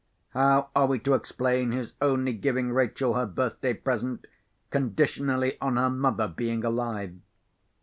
How are we to explain his only giving Rachel her birthday present conditionally on her mother being alive?"